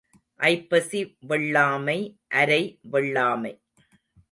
ஐப்பசி வெள்ளாமை அரை வெள்ளாமை.